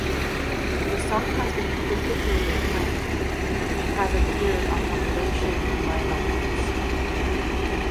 The song has seen critical acclaim and has appeared on compilation and live albums.